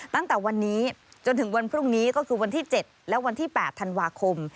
ตั้งแต่วันนี้จนถึงวันพรุ่งนี้ก็คือวันที่๗และวันที่๘ธันวาคม